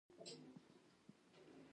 هغه د بېمې د کاروبار له لارې ډېره ګټه وکړه.